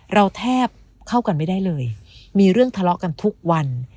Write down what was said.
เราแทบเข้ากันไม่ได้เลยมีเรื่องทะเลาะกันทุกวัน